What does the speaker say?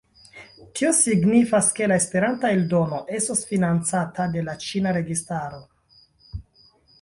Tio signifas, ke la Esperanta eldono estos financata de la ĉina registaro.